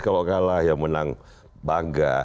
kalau kalah yang menang bangga